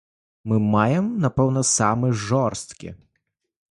Мы маем, напэўна, самы жорсткі.